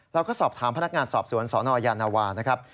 เราก็สอบถามพนักงานสอบสวนสนยานวานะครับ